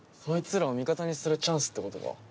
そいつらを味方にするチャンスってことか。